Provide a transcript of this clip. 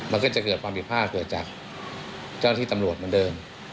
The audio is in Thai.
มันก็จะเกิดความผิดพลาดเกิดจากเจ้าที่ตำรวจเหมือนเดิม